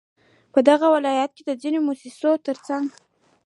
په دغه ولايت كې د ځينو مؤسسو ترڅنگ